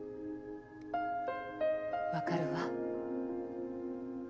分かるわ。